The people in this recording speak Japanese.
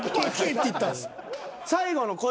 最後のこ